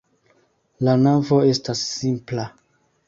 La navo estas simpla.